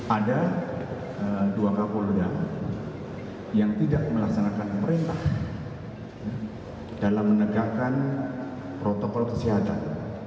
ada dua kapolda yang tidak melaksanakan perintah dalam menegakkan protokol kesehatan